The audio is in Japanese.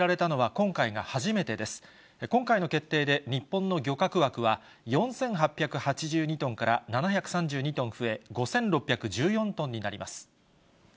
今回の決定で日本の漁獲枠は、４８８２トンから７３２トン増え、５６１４トンになります。